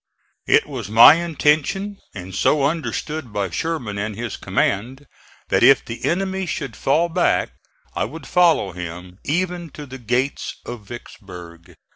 It was my intention, and so understood by Sherman and his command, that if the enemy should fall back I would follow him even to the gates of Vicksburg.